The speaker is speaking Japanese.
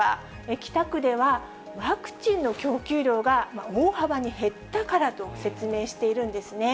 北区では、ワクチンの供給量が大幅に減ったからと説明しているんですね。